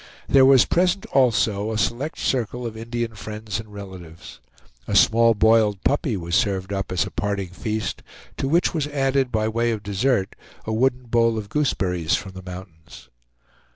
There was present also a select circle of Indian friends and relatives. A small boiled puppy was served up as a parting feast, to which was added, by way of dessert, a wooden bowl of gooseberries, from the mountains.